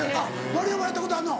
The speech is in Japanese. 丸山やったことあるの？